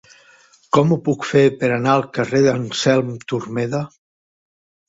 Com ho puc fer per anar al carrer d'Anselm Turmeda?